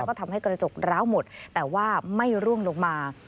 ก็ทำให้กระจกร้าวหมดแต่ว่าไม่ร่วงลงมา